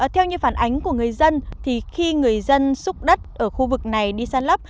theo như phản ánh của người dân thì khi người dân xúc đất ở khu vực này đi san lấp